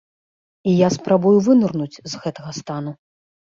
І я спрабую вынырнуць з гэтага стану.